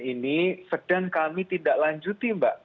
ini sebetulnya proses